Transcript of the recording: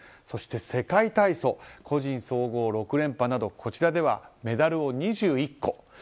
そして世界体操個人総合６連覇などこちらではメダルを２１個。